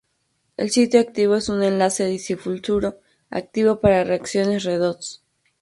El sitio activo es un enlace disulfuro activo para reacciones redox.